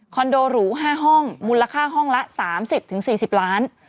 โดหรู๕ห้องมูลค่าห้องละ๓๐๔๐ล้าน